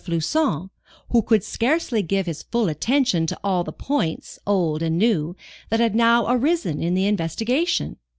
Floçon, who could scarcely give his full attention to all the points, old and new, that had now arisen in the investigation.